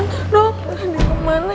nggak apa apa dia ke mana ya